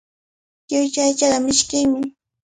Lluychu aychaqa mishkinmi.